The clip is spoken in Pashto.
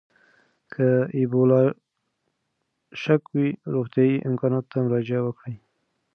که د اېبولا شک وي، روغتیايي امکاناتو ته مراجعه وکړئ.